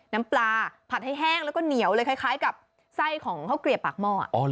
น้ำปลาผัดให้แห้งแล้วก็เหนียวเลยคล้ายกับไส้ของข้าวเกลียบปากหม้อ